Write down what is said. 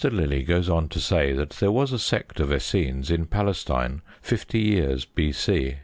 Lillie goes on to say that there was a sect of Essenes in Palestine fifty years B.C.